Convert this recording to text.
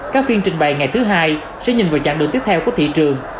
các phiên trình bày ngày thứ hai sẽ nhìn vào chặng đường tiếp theo của thị trường